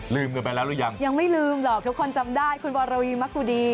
กันไปแล้วหรือยังยังไม่ลืมหรอกทุกคนจำได้คุณวรวีมะกุดี